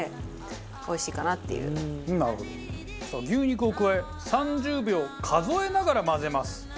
さあ牛肉を加え３０秒数えながら混ぜます。